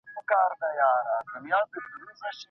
ډير فاميلونه د ناوي ولور نه ادا کوي.